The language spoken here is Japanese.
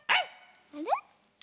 あれ？